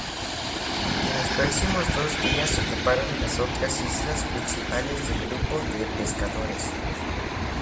En los próximos dos días ocuparon las otras islas principales del grupo de Pescadores.